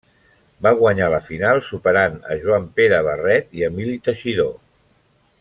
Va guanyar la final superant a Joan Pere Barret i Emili Teixidor.